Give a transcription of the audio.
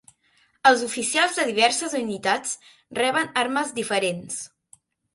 Els oficials de diverses unitats reben armes diferents.